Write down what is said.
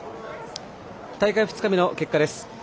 大会２日目の結果です。